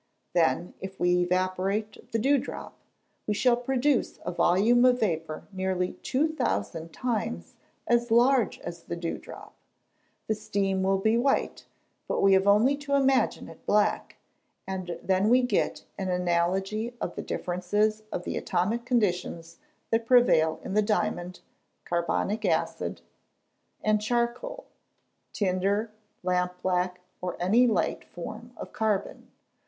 Then, if we evaporate the dew drop, we shall produce a volume of vapour nearly two thousand times as large as the dew drop. The steam will be white; but we have only to imagine it black, and then we get an analogy of the differences of the atomic conditions that prevail in the diamond, carbonic acid, and charcoal, tinder, lamp black, or any light form of carbon.